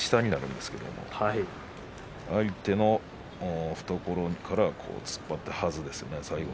自然と下になるんですけれども相手の懐から突っ張ってはずですね、最後。